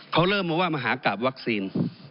เขาเริ่มมาว่ามหากราบวัคซีน